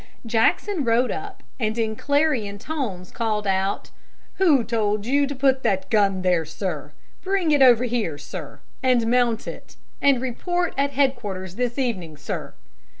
Jackson rode up and in clarion tones called out, "Who told you to put that gun there, sir? Bring it over here, sir, and mount it, and report at head quarters this evening, sir!"